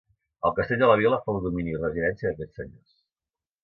El castell de la vila fou domini i residència d'aquests senyors.